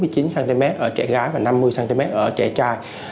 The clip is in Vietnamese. hai mươi chín cm ở trẻ gái và năm mươi cm ở trẻ trai